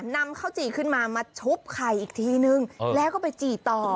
นำข้าวจี่ขึ้นมามาชุบไข่อีกทีนึงแล้วก็ไปจี่ต่อ